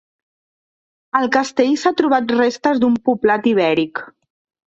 Al castell s'han trobat restes d'un poblat ibèric.